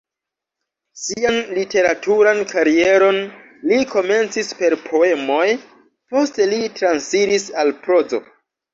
Sian literaturan karieron li komencis per poemoj, poste li transiris al prozo.